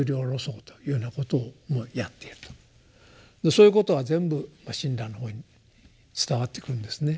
そういうことは全部親鸞のほうに伝わってくるんですね。